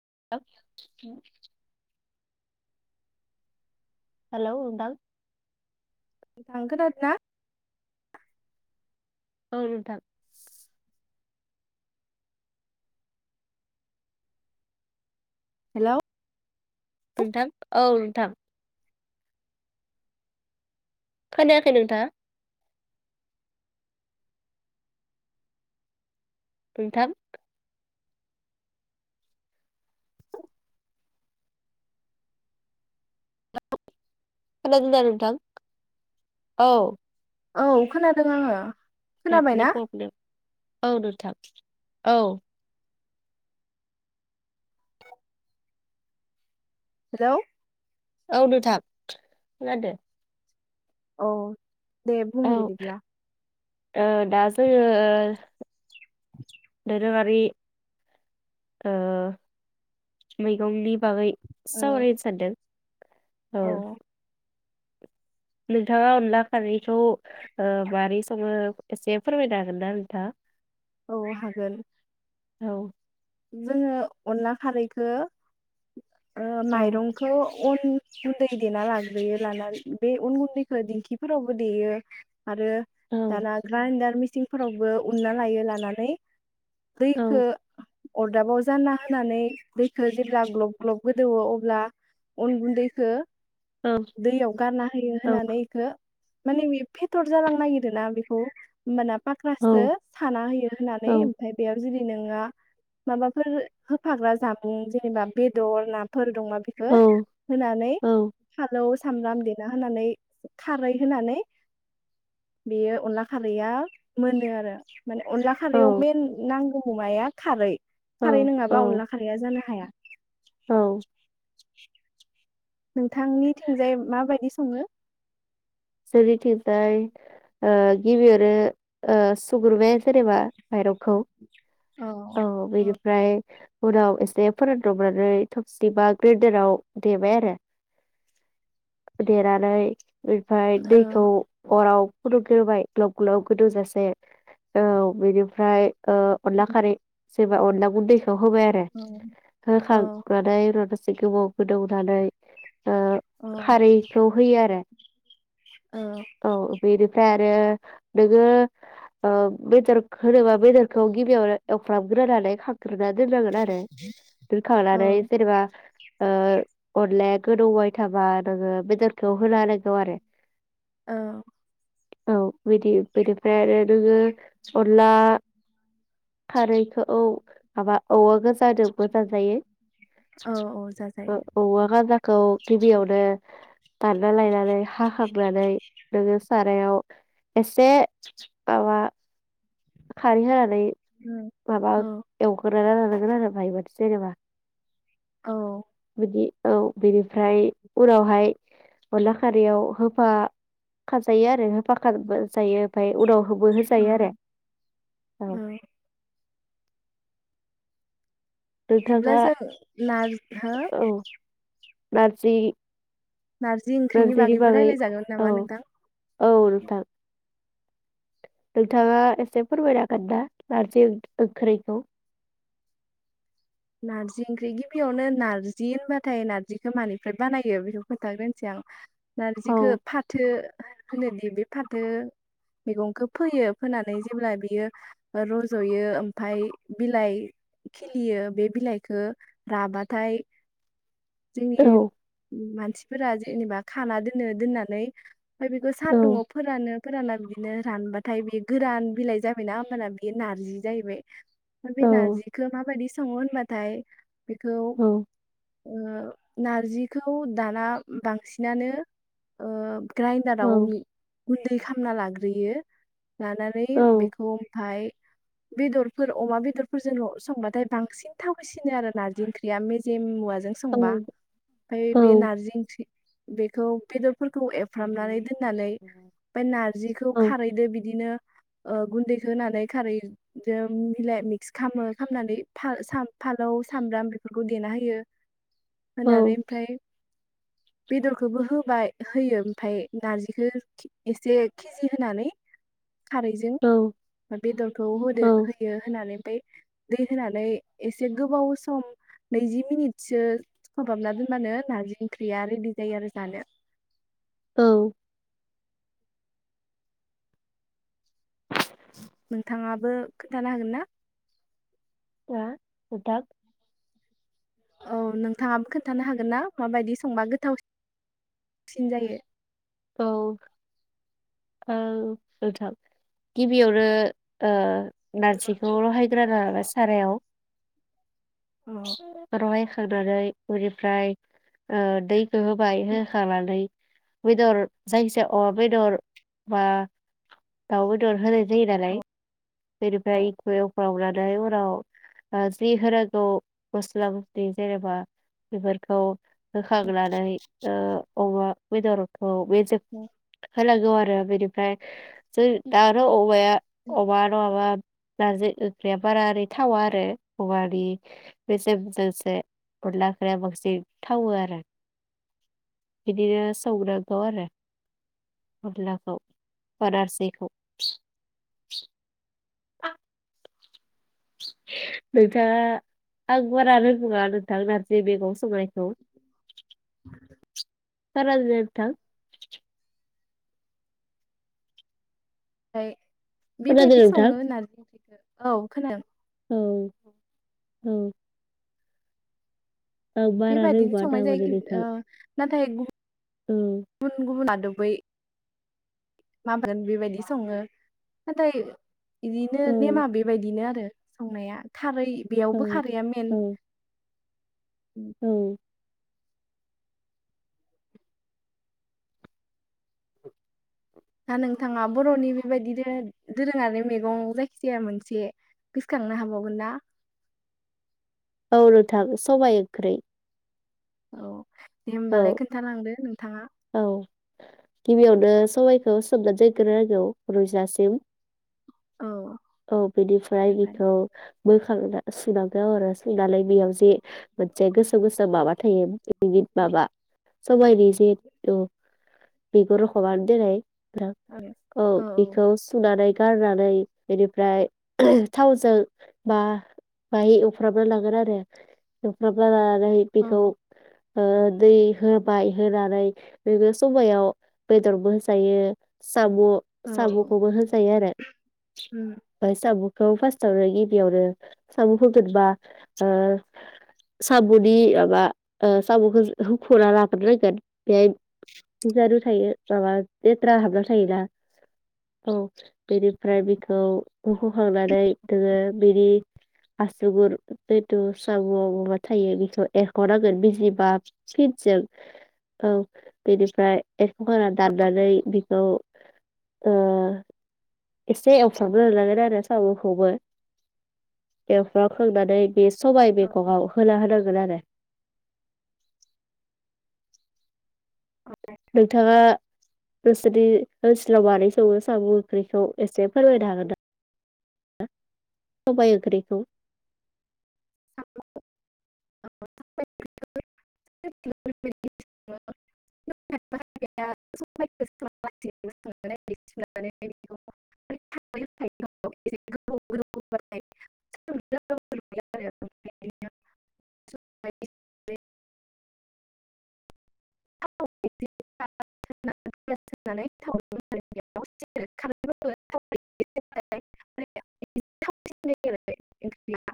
[unintelligible] हेल' नोदां। नोंथां खोनादोना। ओं नोंथां। हेल'। नोंथां औ नोंथां। खोनायाखै नोंथाङा। [unintelligible] खोनादोंना नोंथां औ। औ खोनादों आङो। नेदनि खोनाबायना पब्लेन औ नोंथां। औ। हेल' औ नोथां खोनादो। औ। दे औ बुं बिदिब्ला। ओ दा जोङो। [unintelligible] भि ओ मैगंनि बागै। औ सावरायनो सानदों। औ। नोंथाङा अनला खारैखौ ओ मारै संङो एसे फोरमायनो हागोन ना नोंथाङा। औ हागोन। औ। जोङो अनला खारैखो। ओ औ माइरंखौ अन। गुन्दै देना लाग्रोयो लानानै बे उन गुन्दैखौ दिंखिफोरावबो देयो। आरो औ दाना ग्रायदार मेचि। थिंफोरावबो उनना लायो लानानै औ दैखो अरदाबाव जानना होनानै दैखो जेब्ला ग्लब ग्लब गोदौवो अब्ला अन गुन्दैखो औ दैयाव गारना होयो औ होननानै इखो माने बे फेथर जालांनो नागिरोना बेखौ होनबाना माख्रासदो साना होयो औ होननानै ओमफ्राय बेयाव जुदि नोङो माबाफोर होफाग्रा जामुं जेनेबा बेदर नाफोर अमा बेदर होनानै फालौ सामब्राम देना होनानै खारै होनानै बेयो अनला खारैया मोनो आरो माने अनला औ खारैयाव मेन नांगौ अमाया खारै खारै औ नङाबा औ अनला खारैया जानो हाया [inaudible] औ नोंथांनि थिंजाय माबायदि सङो? जोंनिथिंजाय ओ गिबियावनो सुग्रोबाय जेनेबा माइरंखौ औ बेनिफ्राय उनाव एसे फोरानदबनानै थबसिबा ग्रेन्दाराव देबाय आरो देनानै ओमफाय दैखौ अराव फुदोंग्रोबाय ग्लाब ग्लाब गोदौजासे औ बेनिफ्राय ओ अनला खारै अनला गुन्दै होबाय आरो औ होखांनानै एसे गोबाव गोदौनानै ओ औ खारैखौ होयो आरो औ औ बेनिफ्राय आरो नोङो ओ बेदर होनोबा बेदरखौ गिबियावनो एवफ्रामग्रोनानै खांग्रोना दोननांगोन आरो दोनखांनानै औ जेनेबा ओ अनलाया गोदौबाय थाबा नोङो बेदरखौ होना होनांगौ आरो औ औ बिदि बेनिफ्राय आरो नोङो अनला खारैखौ माबा औवा गोजाजोंबो जायो औ औ ओ जाजायो औवा गाजा खौ गिबियावनो दानना लायनानै हा खांनानै नोङो सारायाव एसे माबा खारै होनानै नै माबा औ औ एवग्रोना लानांगोन आरो बायमान जेनबा औ [unintelligible] बेनिफ्राय उनावहाय अनला खारैयाव [unintelligible] खाजोयो आरो [unintelligible] उनाव खौबो होजायो औ आरो औ दिब्ला नोंथाङा जों नाज हो औ नारजि नारजि ओंख्रिनि नारजिनि बागैबो बागै रायलायजागोन औ नामा नोंथां औ नोंथां नोंथाङा एसे फोरमायनो हागोन ना नारजि ओंख्रिखौ नारजि ओंख्रि गिबियावनो नारजि होनबाथाय नारजिखौ मानिफ्राय बानायो बेखौ खोन्थाग्रोनोसै आं औ नारजिखौ फाथो होनोदि बे फाथो मैगंखौ फोयो फोनानै जेब्ला बियो रजयो आमफ्राय बिलाइ खिलियो बे बिलाइखौ राबाथाय औ जोंनि मानसिफोरा जेनेबा खाना दोनो दोननानै आमफ्राय बेखौ औ सान्दुंआव फोरानो फोराना बि बिदिनो रानबाथाय बे गोरान बिलाइ जाबायना होमबाना बियो नारजि जाहैबाय बे औ नारजिखौ माबायदि स संङो होनबाथाय बेखौ औ नारजिखौ दाना बांसिनानो औ ग्राइन्दाराव गुन्दै खालामना लाग्रो बेयो लानानै बेखौ आमफ्राय बेदरफोर अमा बेदरफोरजों संबाथाय बांसिन थावसिनो आरो नारजि ओंख्रिया मेजेम मुवा औ संबा आमफ्राय औ बे नारजि ओं बेखौ बि [inaudible] [unintelligible] फोरखौ एवफ्रामनानै दोननानै आमफ्राय नारजिखौ औ खारदै बिदिनो गुन्दैखौ होनानै खारैजों मिलाय मिक्स खालामो खालामनानै फानलौ सामब्राम बेफोरखौ देना होयो होनानै आमफ्राय बेदरखौबो होबाय होयो आमफ्राय नारजिखौ एसे केजि होनानै खारैजों बेदरखौ होदो औ होयो होनानै आमफ्राय दै होनानै एसे गोबाव सम नैजि मिनिटसो अबाब ना दोनबानो नारजि ओंख्रिया रेडि जायो आरो जानो औ नोंथाङाबो खोन्थानो होगोन ना बा उदाब औ नोंथाङाबो खोन्थानो हागोन ना माबायदि संबा गोथावसिन जायो औ औ नोंथां गिबियावनो ओ नारजिखौ लहायग्रा नङाबा सारायाव अ [unintelligible] खांनानै बेनिफ्राय ओ दै हो-होबाय होखानानै बेदर जायखिजाया अमा बेदर बा दाउ बेदर होनाय जायो नालाय बेनिफ्राय बेयाव फावनानै उनाव जि होनांगौ मस्ला मस्लि जेनेबा बेफोरखौ होखांनानै ओ अमा बेदर औ बेजों होला गौआरो बेनिफ्राय जों दा आरो औ अया अमा नंआबा नारजि ओंख्रिया बारा ओरै थावा आरो औवानि बेसेेमजोंसो अनला ओंख्रिया बांसिन थावो आरो बिदिनो संनो गौआरो अनलाखौ बा नारजिखौ [inaudible] नोंथाङा आं बारानो बुङा नोंथां नारजि मेगं संनायखौ बारा रो नोंथां दाय खोनादों बेबायदि सङो नोंथां होननानि औ खोनादों औ औ आं बारा बेबायदिनो रोंबाङा संनाय थारमाने जायो ओ नोंथां नाथाय औ गुबुन गुबुन आदब बै माबागोन बेबायदि सङो नाथाय बिदिनो औ नेमा बेबायदिनो आरो संनाया खारै औ बेयावबो खारैया मेन औ औ दा नोंथाङा बर'नि बेबायदिनो दोरोङारि मैगं जायखिजाया मोनसे गोसोखांनो हाबावगोन ना औ नोंथां सबायाइ ओख्रै औ दे होमबालाय खोन्थालांदो नोंथाङा औ गिबियावनो सबाइखौ सोमनानै दोनग्रोांगौ रुजासिम। औ बिनिफ्राय ओमफ्राय बेखौ। बोखां सिमांगौ आरो सोंनानैाय बेयाव जे मोनसे गोसो गोसाो माबा थायो बिनि माबा सबायनि जे औ। बेगर हार देराय। औ बेखौ सुनानै। गारनानै बेनिफ्राय थावजों मा बाहाय एवफ्र्राबना लांगोन आरो एवफ्राबनानै। नै औ बेखौ। ओ दै होबाय होनानै नोङो सबायाव बेदरबो होजायो। साम' औ औ साम'खौबो होनजायो आरो उम, ओमफ्राय साम'। खौ फार्स्टावनो गिबियावनो साम' होगोनबा साम'नि माबा साम'खौ हुखना लाग्रोनांगोनन बेहाय थायो माबा लेथ्रा हाबना थायोना औ बेनिफ्राय बिखौ बखखांनानै नोङो बिनि आसुगुर जिथु साम' माबा थायो बेखौ एरख'नांगोन बिजिबा फिनजों औ बेनिफ्राय एरखखांना दाननानै बेखौ ओ एसे एवफ्रामना लानांगोन आरो साम'खौबो एवफ्रामखांनानै बे सबाय औ मेगंआव होना होनांगोन आरो। नोंथाङा नोंसोरनि ओनसोलाव मारै सङो साम' ओंख्रिखौ एसे फोरमायनो हागोना सबाय ओंख्रिखौ? [unintelligible] [unintelligible]